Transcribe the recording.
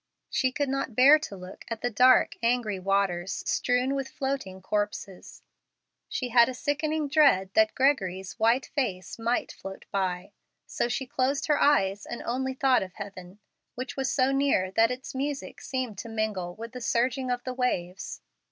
She could not bear to look at the dark, angry waters strewn with floating corpses. She had a sickening dread that Gregory's white face might float by. So she closed her eyes, and only thought of heaven, which was so near that its music seemed to mingle with the surging of the waves.